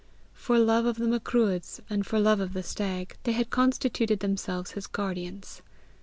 For love of the Macruadh, and for love of the stag, they had constituted themselves his guardians.